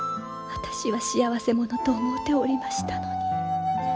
私は幸せ者と思うておりましたのに。